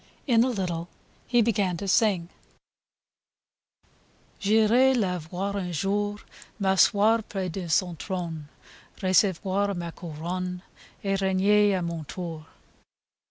In a little he began to sing: J'irai la voir un jour, M'asseoir pres de son trone, Recevoir ma couronne Et regner a mon tour